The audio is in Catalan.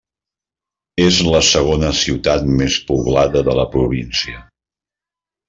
És la segona ciutat més poblada de la província.